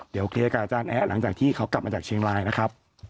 เดี๋ยวเคลียร์กับอาจารย์แอ๊ะหลังจากที่เขากลับมาจากเชียงรายนะครับ